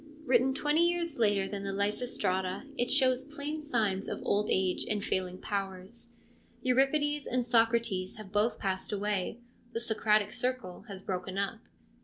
Written twenty years later than the Lysistrata, it shows plain signs of old age and ARISTOPHANES 163 failing powers. Euripides and Socrates have both passed away ; the Socratic Circle has broken up.